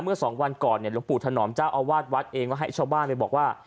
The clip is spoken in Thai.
เมื่อ๒วันก่อนลุงปู่ธนอมเจ้าเอาวาดวัดเองให้ช่องบ้านบอกว่า